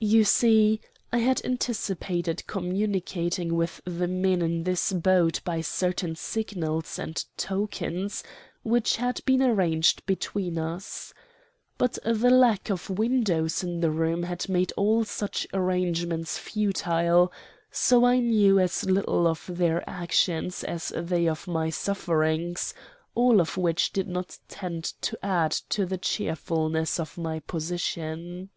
"You see I had anticipated communicating with the men in this boat by certain signals and tokens which had been arranged between us. But the lack of windows in the room had made all such arrangements futile, so I knew as little of their actions as they of my sufferings; all of which did not tend to add to the cheerfulness of my position.